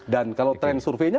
dan kalau tren surveinya